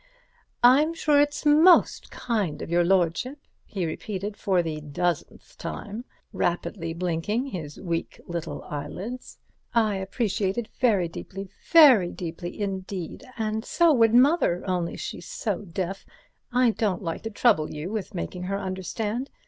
"I'm sure it's most kind of your lordship," he repeated for the dozenth time, rapidly blinking his weak little eyelids. "I appreciate it very deeply, very deeply, indeed, and so would Mother, only she's so deaf, I don't like to trouble you with making her understand.